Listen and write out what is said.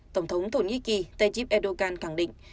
tổng thống thổ nhĩ kỳ tayyip erdogan khẳng định